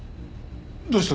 どうした？